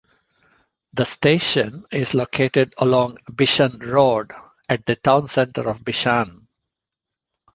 The station is located along Bishan Road, at the town centre of Bishan.